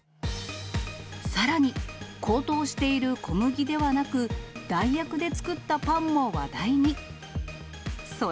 さらに、高騰している小麦ではなく、代役で作ったパンも話題に。